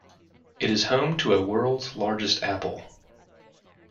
It is home to a World's largest apple.